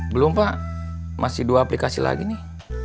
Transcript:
belum pak masih dua aplikasi lagi nih